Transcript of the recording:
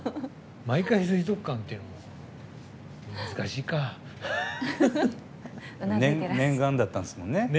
毎回、水族館っていうのも念願だったんですもんね。